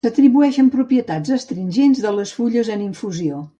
S'atribueixen propietats astringents de les fulles en infusió.